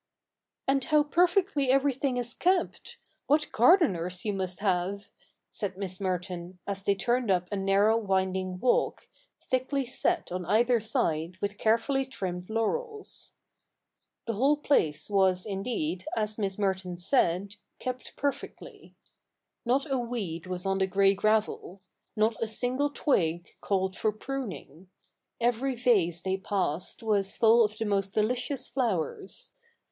' And how perfectly everything is kept ! What gardeners you must have !' said Miss Merton, as they turned up cii. Ill] THE NEW REPUBLIC loi a narrow winding walk, thickly set on either side with carefully trimmed laurels. The whole place was, indeed, as Miss Merton said, kept perfectly. Not a weed was on the grey gravel ; not a single twig called for pruning. Every vase they passed was full of the most delicious flowers.